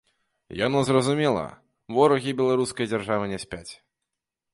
Яно зразумела, ворагі беларускай дзяржавы не спяць.